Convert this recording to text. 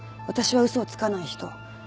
私は「嘘をつかない人」